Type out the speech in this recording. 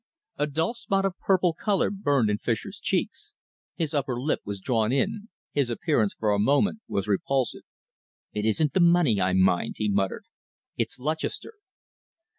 A dull spot of purple colour burned in Fischer's cheeks. His upper lip was drawn in, his appearance for a moment was repulsive. "It isn't the money I mind," he muttered. "It's Lutchester."